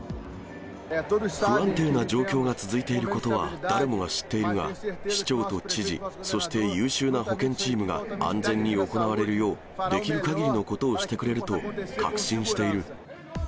不安定な状況が続いていることは誰もが知っているが、市長と知事、そして優秀な保健チームが、安全に行われるよう、できるかぎりのことをしてくれると確信している。